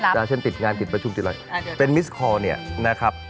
เช่นปิดงานปิดประชุมเป็นมิสคอลเนี่ยนะครับ